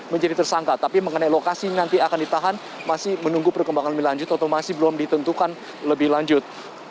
menjadi tersangka tapi mengenai lokasi nanti akan ditahan masih menunggu perkembangan lebih lanjut atau masih belum ditentukan lebih lanjut